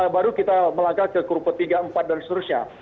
baru kita melangkah ke kurpe tiga empat dan seterusnya